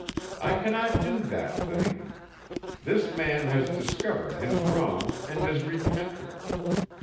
I cannot do that thing. This man has discovered his wrong and is repentant.